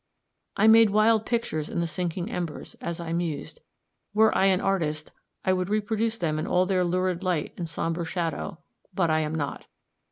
I made wild pictures in the sinking embers, as I mused; were I an artist I would reproduce them in all their lurid light and somber shadow; but I am not.